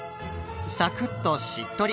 「サクッ」と「しっとり」